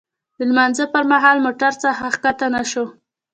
د لمانځه پر مهال موټر څخه ښکته نه شوو.